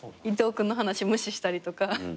伊藤君の話無視したりとか。